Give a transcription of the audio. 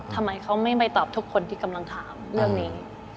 ทำไมเขาไม่ตอบทุกคนที่กำลังถามเรื่องนี้